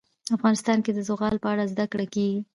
افغانستان کې د زغال په اړه زده کړه کېږي.